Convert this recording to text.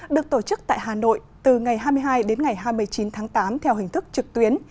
được tổ chức tại hà nội từ ngày hai mươi hai đến ngày hai mươi chín tháng tám theo hình thức trực tuyến